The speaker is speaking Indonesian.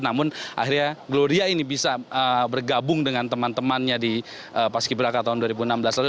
namun akhirnya gloria ini bisa bergabung dengan teman temannya di paski beraka tahun dua ribu enam belas lalu